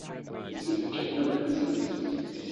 This is the general consensus.